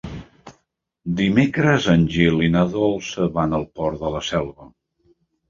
Dimecres en Gil i na Dolça van al Port de la Selva.